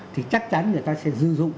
thì chắc chắn người ta sẽ dư dụng